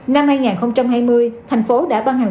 năm hai nghìn hai mươi tp hcm đã ban hành